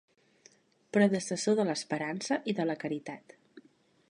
Predecessor de l'esperança i de la caritat.